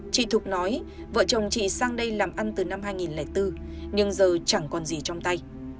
chị thục nói vợ chồng chị sang đây làm ăn từ năm hai nghìn bốn nhưng giờ chẳng còn gì trong tay